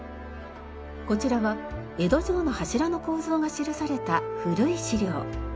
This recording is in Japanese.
こちらは江戸城の柱の構造が記された古い資料。